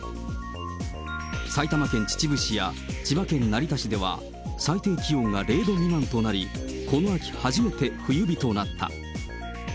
埼玉県秩父市や千葉県成田市では、最低気温が０度未満となり、この秋初めて冬日となった。